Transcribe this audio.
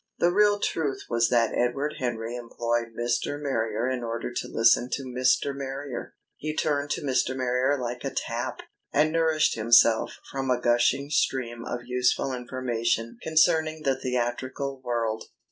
The real truth was that Edward Henry employed Mr. Marrier in order to listen to Mr. Marrier. He turned to Mr. Marrier like a tap, and nourished himself from a gushing stream of useful information concerning the theatrical world.